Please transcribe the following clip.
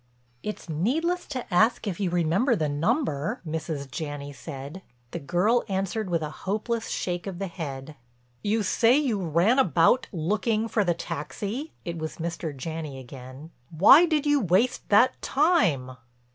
"It's needless to ask if you remember the number," Mrs. Janney said. The girl answered with a hopeless shake of the head. "You say you ran about looking for the taxi"—it was Mr. Janney again—"Why did you waste that time?"